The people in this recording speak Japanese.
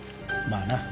まあな。